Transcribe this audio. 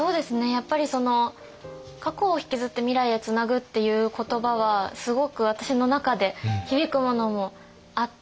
やっぱりその過去をひきずって未来へつなぐっていう言葉はすごく私の中で響くものもあって。